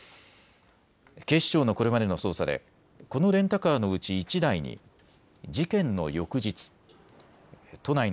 警視庁のこれまでの捜査でこのレンタカーのうち１台に事件の翌日、都内の